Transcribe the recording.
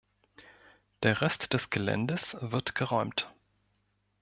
Der Rest des Geländes wird geräumt.